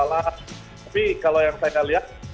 tapi kalau yang saya lihat